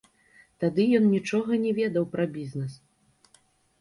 Тады ён нічога не ведаў пра бізнес.